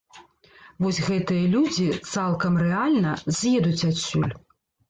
Вось гэтыя людзі, цалкам рэальна, з'едуць адсюль.